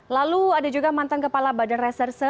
lalu ada juga mantan kepala badan reserse